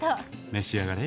召し上がれ。